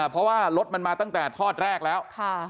เพราะว่ารถมันมาตั้งแต่ทอดแรกแล้ว